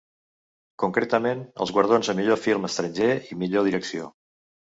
Concretament els guardons a millor film estranger i millor direcció.